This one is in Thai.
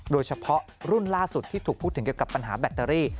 โดยเฉพาะรุ่นล่าสุดที่ถูกพูดถึงเกี่ยวกับปัญหาแบตเตอรี่